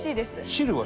汁は？